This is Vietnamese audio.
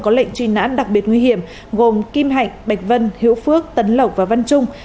có lệnh truy nãn đặc biệt nguy hiểm gồm kim hạnh bạch vân hiễu phước tấn lộc và văn trung